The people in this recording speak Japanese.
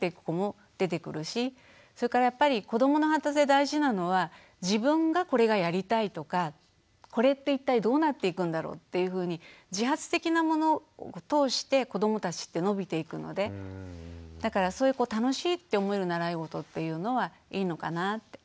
それからやっぱり子どもの発達で大事なのは自分がこれがやりたいとかこれって一体どうなっていくんだろうっていうふうに自発的なものを通して子どもたちって伸びていくのでだからそういう楽しいって思える習いごとっていうのはいいのかなって。